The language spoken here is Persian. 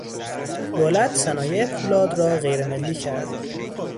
دولت صنایع پولاد را غیرملی کرد.